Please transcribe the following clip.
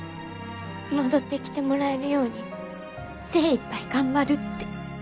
戻ってきてもらえるように精いっぱい頑張るって。